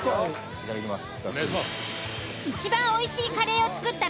いただきます。